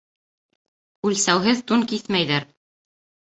Үлсәүһеҙ тун киҫмәйҙәр.